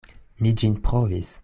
Mi ĝin provis.